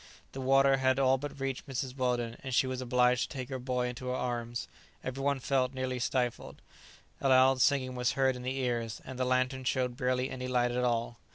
The water had all but reached Mrs. Weldon, and she was obliged to take her boy into her arms. Every one felt nearly stifled. A loud singing was heard in the ears, and the lantern showed barely any light at all.